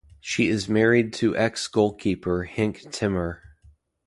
She is married to ex-goalkeeper Henk Timmer.